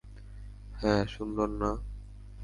হ্যাঁ, সুন্দর না?